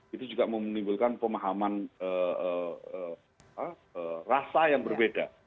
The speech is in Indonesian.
itu juga menimbulkan pemahaman rasa yang berbeda